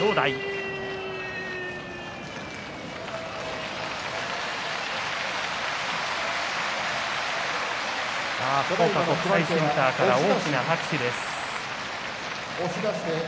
拍手福岡国際センターから大きな拍手です。